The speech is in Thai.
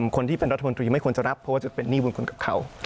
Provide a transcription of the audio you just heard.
คนที่เป็นรัฐมนตรีไม่ควรจะรับเพราะว่าจะเป็นหนี้บุญคุณกับเขา